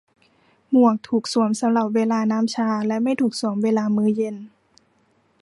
หมวกถูกสวมสำหรับเวลาน้ำชาและไม่ถูกสวมเวลามื้อเย็น